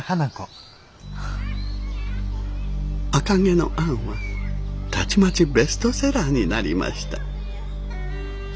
「赤毛のアン」はたちまちベストセラーになりました。